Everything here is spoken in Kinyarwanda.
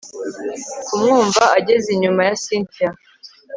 kumwumva ageze inyuma ya cyntia